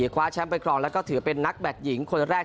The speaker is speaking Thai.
คว้าแชมป์ไปครองแล้วก็ถือเป็นนักแบตหญิงคนแรก